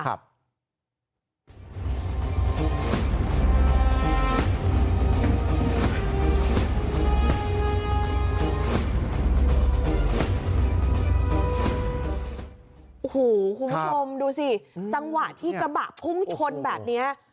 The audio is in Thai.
โอ้โหคุณผู้ชมดูสิจังหวะที่กระบะพุ่งชนแบบนี้